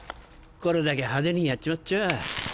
これだけ派手にやっちまっちゃ。